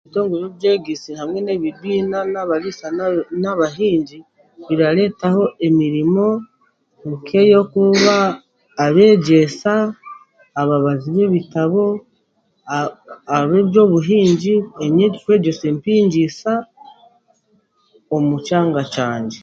Ebitongore by'obwegiisi n'ebibiina by'abariisa n'abahingi birareetaho emirimo nk'eyokuba abeegyesa ababazi b'ebitabo ab'ebyobuhingi abarikutwegyesa empingiisa omu kyanga kyangye.